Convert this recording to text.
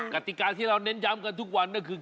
กติกาที่เราเน้นย้ำกันทุกวันก็คือ